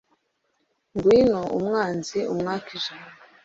ngwino umwanzi umwake ijambo